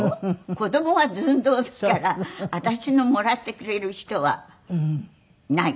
子供は寸胴ですから私のもらってくれる人はない。